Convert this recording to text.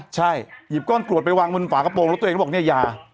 ใช่หยิบก้อนกรวดไปวางบนฝากระโปรงแล้วตัวเองก็บอกเนี่ยยา